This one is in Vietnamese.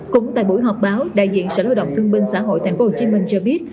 cũng tại buổi họp báo đại diện sở lao động thương binh xã hội tp hcm cho biết